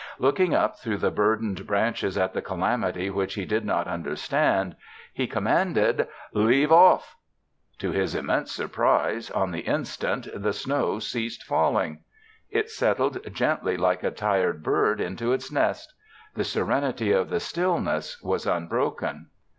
Looking up through the burdened branches at the calamity which he did not understand, he commanded, "Leave off." To his immense surprise, on the instant the snow ceased falling. It settled gently like a tired bird into its nest. The serenity of the stillness was unbroken.